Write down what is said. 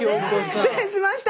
失礼しました！